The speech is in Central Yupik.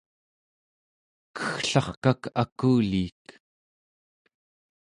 kegglarkak akuliik